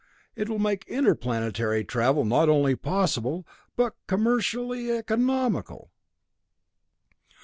It will make interplanetary travel not only possible, but commercially economical."